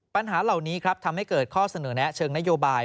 ปัญหาเหล่านี้ครับทำให้เกิดข้อเสนอแนะเชิงนโยบาย